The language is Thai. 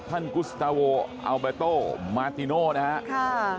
ท่านกุสตาโวอัลเบโต้มาร์ติโน่นะครับ